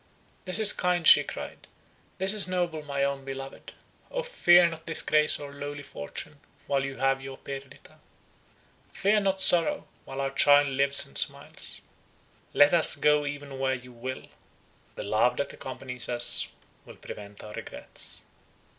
"This is kind," she cried; "this is noble, my own beloved! O fear not disgrace or lowly fortune, while you have your Perdita; fear not sorrow, while our child lives and smiles. Let us go even where you will; the love that accompanies us will prevent our regrets."